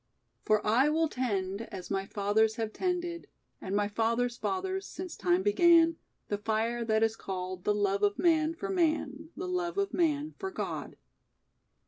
"For I will tend As my fathers have tended And my fathers' fathers Since time began, The fire that is called The love of man for man, The love of man for God."